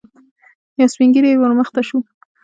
يو سپين ږيری ور مخته شو.